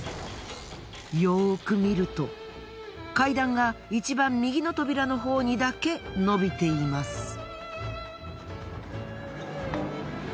よく見ると階段がいちばん右の扉のほうにだけのびています。